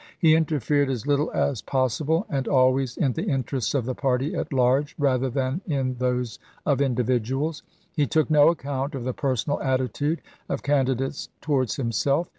He interfered as little as pos sible, and always in the interests of the party at large, rather than in those of individuals. He took no account of the personal attitude of candidates towards himself.